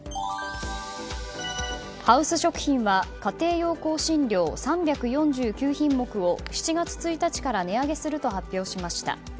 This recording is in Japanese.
ハウス食品は家庭用香辛料３４９品目を７月１日から値上げすると発表しました。